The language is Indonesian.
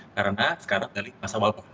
karena sekarang dari masa wabah